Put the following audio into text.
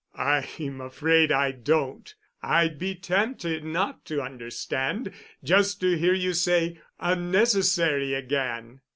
"I'm afraid I don't. I'd be tempted not to understand, just to hear you say 'unnecessary' again."